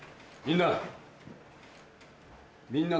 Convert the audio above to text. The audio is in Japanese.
みんな！